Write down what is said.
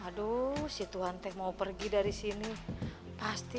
aduh si tuhan teh mau pergi dari sini pasti